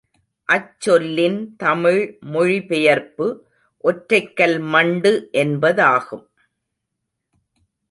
அச் சொல்லின் தமிழ் மொழி பெயர்ப்பு, ஒற்றைக்கல் மண்டு என்பதாகும்.